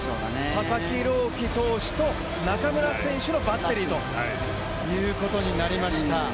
佐々木朗希投手と中村選手のバッテリーということになりました。